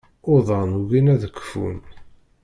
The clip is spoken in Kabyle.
Uḍan ugin ad kfun.